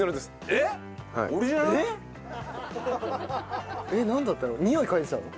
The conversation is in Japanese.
えっなんだったの？